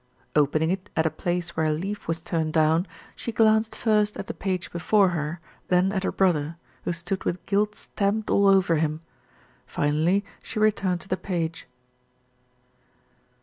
Opening it at a place where a leaf was turned down, she glanced first at the page before her, then at her brother, who stood with guilt stamped all over him. Finally she returned to the page.